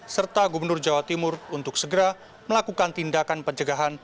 serta gubernur jawa timur untuk segera melakukan tindakan pencegahan